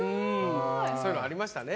そういうのもありましたね。